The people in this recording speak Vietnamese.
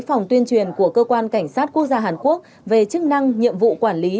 phòng tuyên truyền của cơ quan cảnh sát quốc gia hàn quốc về chức năng nhiệm vụ quản lý